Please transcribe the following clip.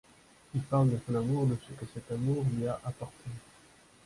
Il parle de son amour, de ce que cet amour lui a apporté.